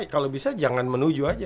kalau bisa jangan menuju aja